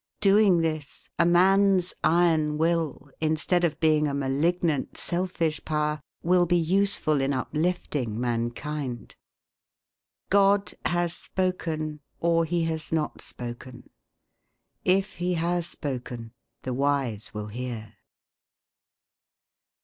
Doing this, a man's Iron Will, instead of being a malignant selfish power, will be useful in uplifting mankind. God has spoken, or he has not spoken. If he has spoken, the wise will hear.